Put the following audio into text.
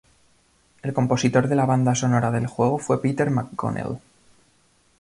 El compositor de la banda sonora del juego fue Peter McConnell.